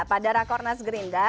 pada rakornas gerindra